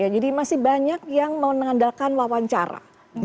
jadi masih banyak yang menandakan wawancara